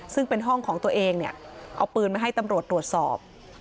ซึ่งเป็นห้องของตัวเองเนี่ยเอาปืนมาให้ตำรวจตรวจสอบ